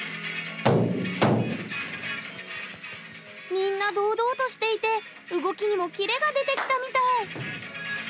みんな堂々としていて動きにもキレが出てきたみたい！